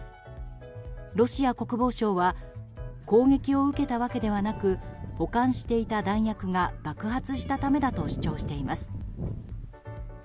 ロシア国防省は攻撃を受けたわけではなく保管していた弾薬が爆発したためだと主張しています。